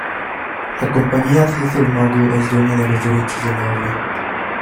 La compañía Theater Mogul es la dueña de los derechos de la obra.